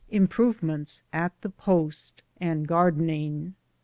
IMPE0VEMENT8 AT THE POST, AND GAEDENINO.